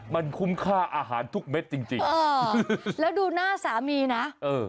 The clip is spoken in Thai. มันคุ้มค่าอาหารทุกเม็ดจริงจริงเออแล้วดูหน้าสามีนะเออ